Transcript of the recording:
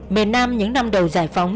mềm nam những năm đầu giải phóng